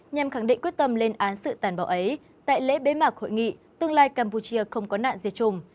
nhằm khẳng định quyết tâm lên án sự tàn bạo ấy tại lễ bế mạc hội nghị tương lai campuchia không có nạn diệt chủng